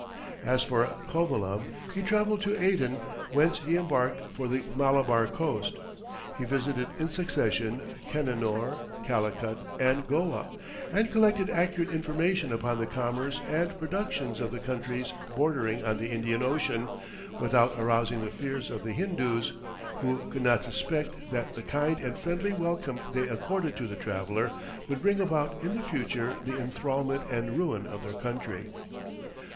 As for Covilham, he travelled to Aden, whence he embarked for the Malabar coast. He visited in succession Cananore, Calicut, and Goa, and collected accurate information upon the commerce and productions of the countries bordering on the Indian Ocean, without arousing the fears of the Hindoos, who could not suspect that the kind and friendly welcome they accorded to the traveller would bring about in the future the enthralment and ruin of their country.